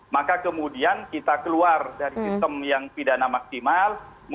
maka kemudian kita keluar dari sistem yang pidana maksimal